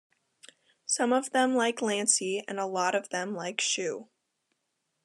Some of them like Lancy and a lot of them like Shuis.